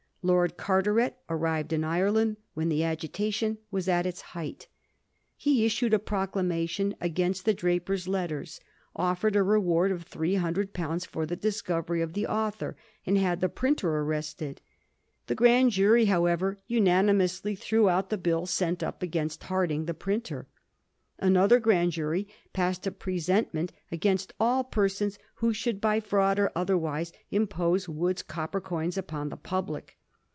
Lord Carteret arrived in Ireland when the agitation was at its height. He issued a proclamation against the ' Drapier's Letters,' offered a reward of three hundred pounds for the discovery of the author, and had the printer arrested. The Grand Jury, however, unanimously threw out the bill sent up against Harding, the printer. Another Grand Jury passed a presentment against all persons who should by fraud or otherwise impose Wood's cop per coins upon the public.